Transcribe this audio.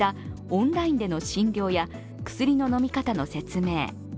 オンラインでの診療や薬の飲み方の説明。